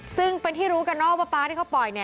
ซึ่งเป็นที่รู้กันเนอะว่าป๊าที่เขาปล่อย